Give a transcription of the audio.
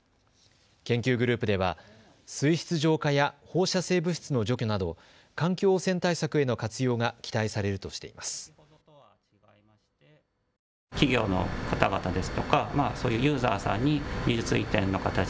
研究グループでは水質浄化や放射性物質の除去など環境汚染対策への活用が期待されるとしています。